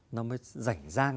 nó mới rảnh ràng